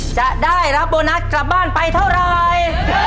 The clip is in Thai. จะได้รับโบนัสกลับบ้านไปเท่าไร